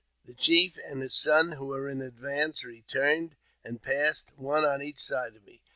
The chief and his son, who were in advance, returned,, and passed one on each side of me.